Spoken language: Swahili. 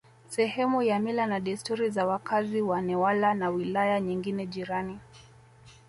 sehemu ya mila na desturi za wakazi wa Newala na wilaya nyingine jirani